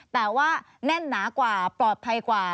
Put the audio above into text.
แต่ว่าแน่นหนากว่าปลอดภัยกว่า